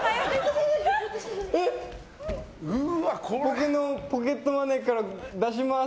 僕のポケットマネーから出します。